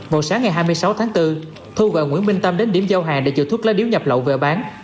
vào sáng ngày hai mươi sáu tháng bốn thu gọi nguyễn minh tâm đến điểm giao hàng để chữa thuốc lá điếu nhập lậu về bán